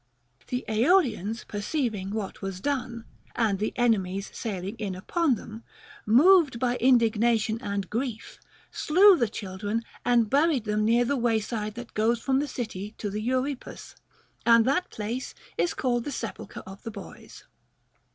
The Aeolians perceiving what was done, — and the enemies sailing in upon them, — moved by indigna tion and grief, slew the children and buried them near the 276 THE GREEK QUESTIONS. wayside that goes from the city to the Euripus ; and that place is called the Sepulchre of the Boys.